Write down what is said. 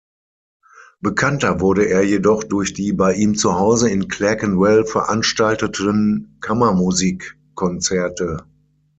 Bekannter wurde er jedoch durch die bei ihm zuhause in Clerkenwell veranstalteten Kammermusikkonzerte.